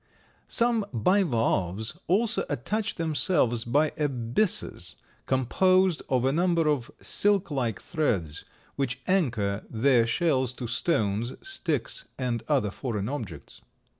Some bivalves also attach themselves by a byssus composed of a number of silk like threads, which anchor their shells to stones, sticks, and other foreign objects.